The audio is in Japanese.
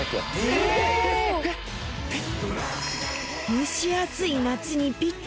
蒸し暑い夏にピッタリ